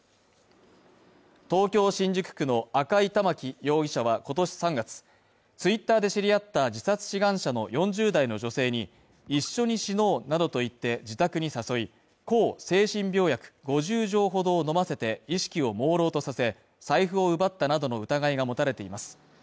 東京新宿区の赤井環容疑者は今年３月、ツイッターで知り合った自殺志願者の４０代の女性に、一緒に死のうなどと言って、自宅に誘い、抗精神病薬５０錠ほど飲ませて意識を朦朧とさせ、財布を奪ったなどの疑いが持たれています。